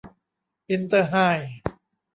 อินเตอร์ไฮด์